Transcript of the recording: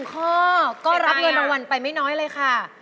ข้อก็รับเงินรางวัลไปไม่น้อยเลยค่ะ